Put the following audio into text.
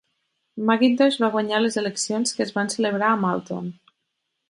McIntosh va guanyar les eleccions, que es van celebrar a Malton.